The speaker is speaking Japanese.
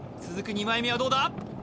２枚目はどうだ？